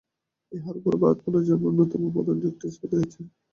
ইহার উপরেই ভারতের পুনর্জন্মবাদের অন্যতম প্রধান যুক্তি স্থাপিত হইয়াছে।